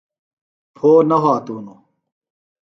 پھو نہ وھاتوۡ ہِنوۡ